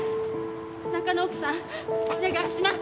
田中の奥さんお願いします！